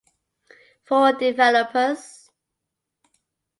For Developers